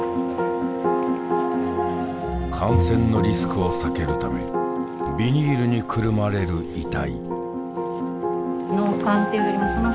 感染のリスクを避けるためビニールにくるまれる遺体。